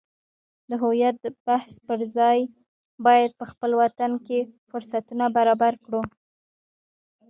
د هویت د بحث پرځای باید په وطن کې فرصتونه برابر کړو.